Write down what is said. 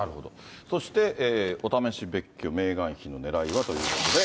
そしてお試し別居、メーガン妃のねらいはということで。